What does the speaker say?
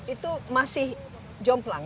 itu masih jomplang